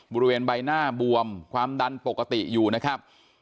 บริเวณใบหน้าบวมความดันปกติอยู่นะครับ